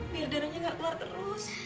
biar darahnya nggak keluar terus